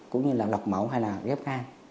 cũng như là lọc máu hay là ghép can